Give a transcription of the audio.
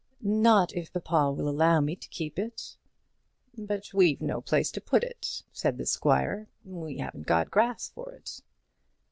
"Not if papa will allow me to keep it." "But we've no place to put it!" said the squire. "We haven't got grass for it!"